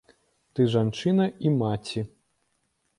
Ты жанчына і маці.